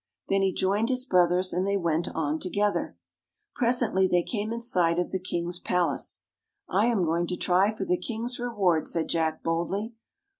Then he joined his brothers and they went on together. Presently they came in sight of the King's palace. " I am going to try for the King's re ward," said Jack boldly.